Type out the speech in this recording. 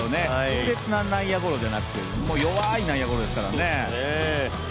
強烈な内野ゴロじゃなくて弱い内野ゴロですからね。